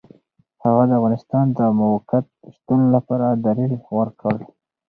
هغه د افغانستان د موقت شتون لپاره دلیل ورکړ.